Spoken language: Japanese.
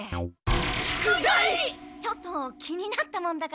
ちょっと気になったもんだから。